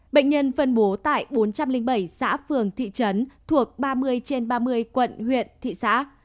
bệnh nhân phân bố tại bốn trăm linh bảy xã phường thị trấn thuộc ba mươi trên ba mươi quận huyện thị xã